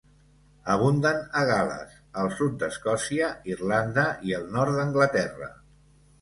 Abunden a Gal·les, al sud d'Escòcia, Irlanda i el nord d'Anglaterra.